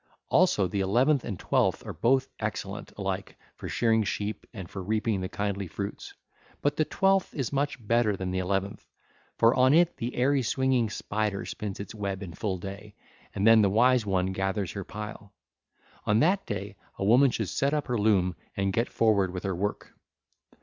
Also the eleventh and twelfth are both excellent, alike for shearing sheep and for reaping the kindly fruits; but the twelfth is much better than the eleventh, for on it the airy swinging spider spins its web in full day, and then the Wise One 1342, gathers her pile. On that day woman should set up her loom and get forward with her work.